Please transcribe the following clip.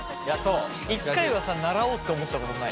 一回はさ習おうって思ったことない？